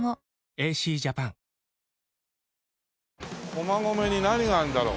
駒込に何があるんだろう？